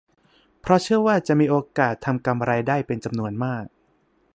เพราะเชื่อว่าจะมีโอกาสทำกำไรได้เป็นจำนวนมาก